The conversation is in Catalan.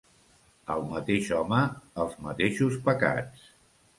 El mateix home, els mateixos pecats.